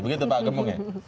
begitu pak agamong ya